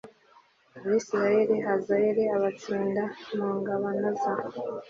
abisirayeli hazayeli abatsinda mu ngabano za